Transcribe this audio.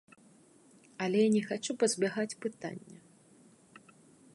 Але я не хачу пазбягаць пытання.